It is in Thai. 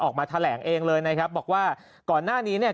ออกมาแถลงเองเลยนะครับบอกว่าก่อนหน้านี้เนี่ย